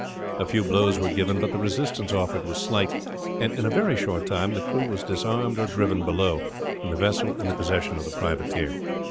A few blows were given; but the resistance offered was slight, and in a very short time the crew were disarmed or driven below, and the vessel in the possession of the privateer.